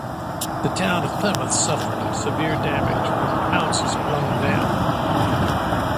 The town of Plymouth suffered severe damage with houses blown down.